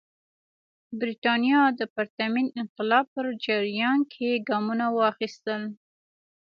برېټانیا د پرتمین انقلاب په جریان کې ګامونه واخیستل.